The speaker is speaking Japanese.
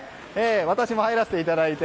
私も入らせていただいて。